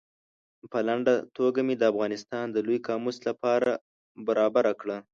په لنډه توګه مې د افغانستان د لوی قاموس له پاره برابره کړه.